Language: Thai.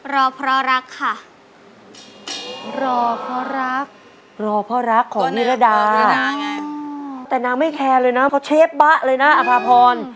รอเพราะรักค่ะรอเพราะรักรอเพราะรักของนิรดานี่นะแต่นางไม่แคร์เลยนะเพราะเชฟบ๊ะเลยนะอภาพร